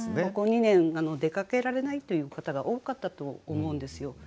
ここ２年出かけられないという方が多かったと思うんですよ。